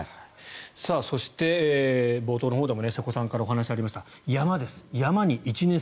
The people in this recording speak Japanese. そして、冒頭のほうでも瀬古さんからお話がありましたが山です、山に１年生。